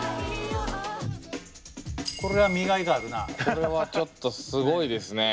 これはちょっとすごいですね。